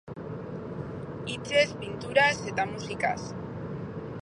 Hitzez, pinturaz eta musikaz.